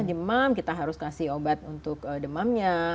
demam kita harus kasih obat untuk demamnya